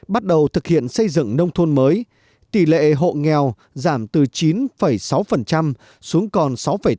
bắt đầu thực hiện xây dựng nông thôn mới tỷ lệ hộ nghèo giảm từ chín sáu xuống còn sáu tám